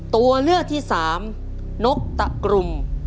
ตัวเลือกที่สามนกตะกลุ่ม